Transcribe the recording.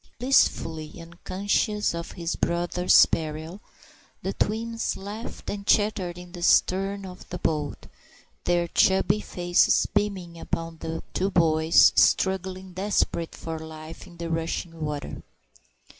Blissfully unconscious of their brothers' peril, the twins laughed and chattered in the stern of the boat, their chubby faces beaming upon the two boys struggling desperately for life in the rushing water.